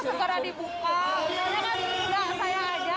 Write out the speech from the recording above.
sebenarnya saya ajak namanya ke semua orang